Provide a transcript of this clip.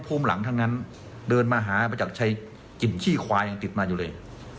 ภูมิหลังทั้งนั้นเดินมาหามาจากชายกลิ่นขี้ควายยังติดมาอยู่เลย